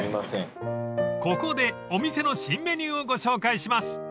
［ここでお店の新メニューをご紹介します］